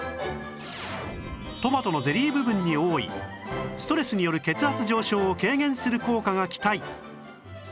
トマトのゼリー部分に多いストレスによる血圧上昇を軽減する効果が期待！